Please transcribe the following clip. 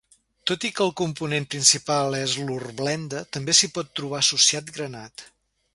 Tot i que el component principal és l'hornblenda també s'hi pot trobar associat granat.